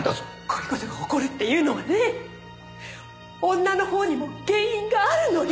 こういう事が起こるっていうのはね女の方にも原因があるのよ！